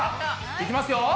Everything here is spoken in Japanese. いきますよ。